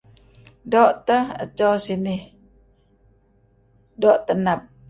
Doo' teh cho sinih , doo' teneb.